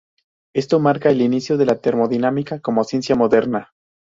Esto marca el inicio de la termodinámica como ciencia moderna.